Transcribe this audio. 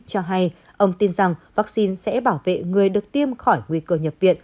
cho hay ông tin rằng vắc xin sẽ bảo vệ người được tiêm khỏi nguy cơ nhập viện